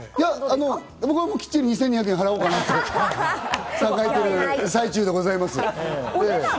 僕はきっちり２２００円払おうかなと考えている最中でございます。